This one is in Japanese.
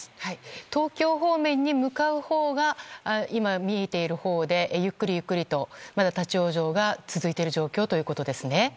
東京方面に向かうほうが今、見えているほうでゆっくりゆっくりとまだ立ち往生が続いている状況ということですね。